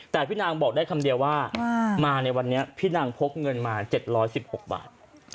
แต่พี่นางบอกได้คำเดียวว่ามาในวันนี้พี่นางพกเงินมา๗๑๖บาท